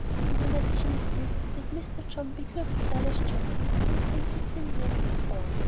In connection with this, read Mr. John Bigelow's careless jottings made some fifteen years before.